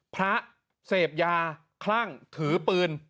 พระเสพยาคลั่งถือปืน